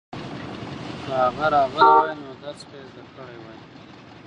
که هغه راغلی وای نو درس به یې زده کړی وای.